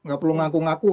gak perlu ngaku ngaku